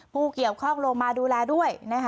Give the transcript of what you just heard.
ผู้เกี่ยวข้องลงมาดูแลด้วย